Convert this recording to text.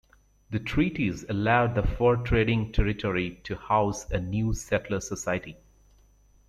The treaties allowed the fur trading territory to house a new settler society.